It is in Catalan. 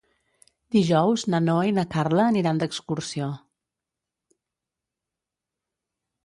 Dijous na Noa i na Carla aniran d'excursió.